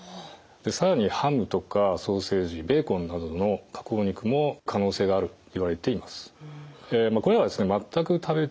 更にハムとかソーセージベーコンなどの加工肉も可能性があるといわれています。